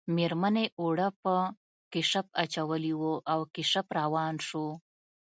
میرمنې اوړه په کشپ اچولي وو او کشپ روان شو